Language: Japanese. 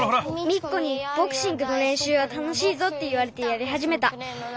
ミッコにボクシングのれんしゅうはたのしいぞっていわれてやりはじめた。